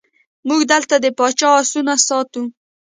موږ دلته د پاچا آسونه ساتو.